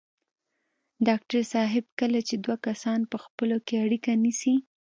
ډاکټر صاحب کله چې دوه کسان په خپلو کې اړيکې نیسي.